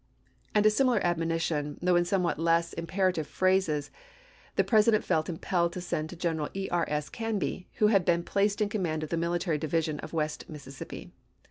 And a similar admonition, though in somewhat less imperative phrases, the President felt impelled to send to General E. E. S. Canby, who had been placed in command of the Military Division of West Mississippi.